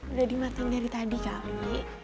udah dimatang dari tadi kali